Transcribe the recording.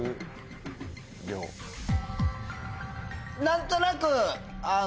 何となく。